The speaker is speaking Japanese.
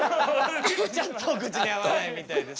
ちょっとお口に合わないみたいですね。